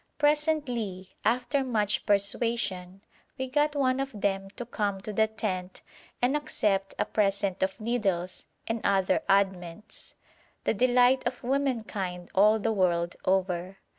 Presently, after much persuasion, we got one of them to come to the tent and accept a present of needles and other oddments, the delight of womankind all the world over.